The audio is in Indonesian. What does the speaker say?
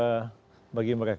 bagi mereka yang dipercaya ini